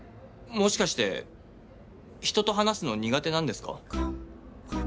もしかして人と話すの苦手なんですか？